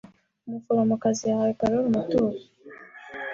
Umuforomokazi yahaye Karoli umutuzo.